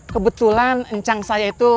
kebetulan encang saya itu